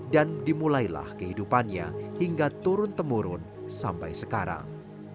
dan dimulailah kehidupannya hingga turun temurun sampai sekarang